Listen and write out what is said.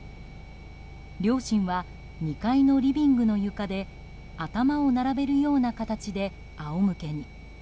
両親は、２階のリビングの床で頭を並べるような形で仰向けに。